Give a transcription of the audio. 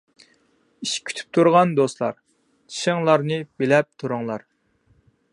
ئىش كۈتۈپ تۇرغان دوستلار، چىشىڭلارنى بىلەپ تۇرۇڭلار.